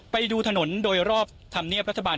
ไปดูถนนโดยรอบธรรมเนียบรัฐบาล